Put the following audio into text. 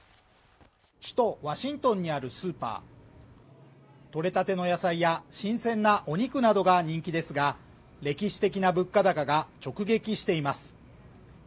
首都ワシントンにあるスーパー取れたての野菜や新鮮なお肉などが人気ですが歴史的な物価高が直撃しています